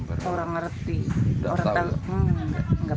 berapa orang ngerti udah tahu enggak